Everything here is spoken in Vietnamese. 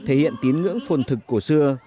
thể hiện tiếng ngưỡng phồn thực của xưa